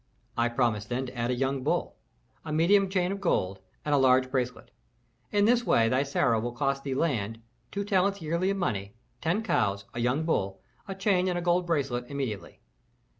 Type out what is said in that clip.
I promised then to add a young bull, a medium chain of gold, and a large bracelet. In this way thy Sarah will cost thee land, two talents yearly in money, ten cows, a young bull, a chain and a gold bracelet, immediately.